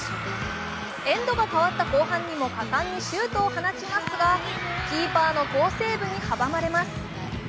エンドが変わった後半にも果敢にシュートを放ちますが、キーパーの好セーブに阻まれます。